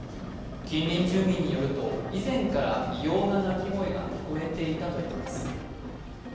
近隣住民によると、以前から異様な泣き声が聞こえていたといいます。